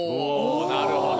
なるほど。